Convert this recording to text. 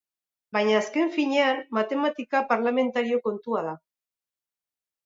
Baina, azken finean, matematika parlamentario kontua da.